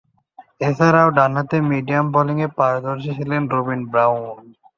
এছাড়াও, ডানহাতে মিডিয়াম বোলিংয়ে পারদর্শী ছিলেন রবিন ব্রাউন।